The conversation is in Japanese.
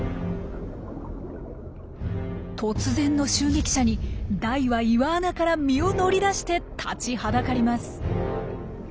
突然の襲撃者にダイは岩穴から身を乗り出して立ちはだかります。